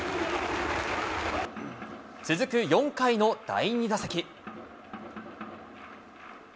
続く４回の第２打席。